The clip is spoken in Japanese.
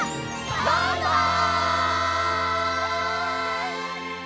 バイバイ！